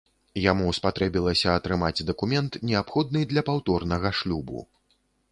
Яму спатрэбілася атрымаць дакумент, неабходны для паўторнага шлюбу.